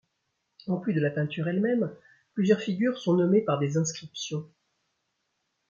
En plus de la peinture elle-même, plusieurs figures sont nommées par des inscriptions.